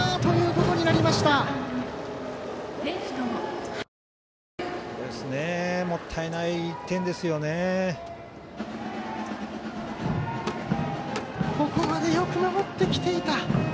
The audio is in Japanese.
ここまでよく守ってきていた。